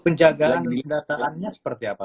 penjagaan pendataannya seperti apa